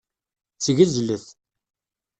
Ssgezlet.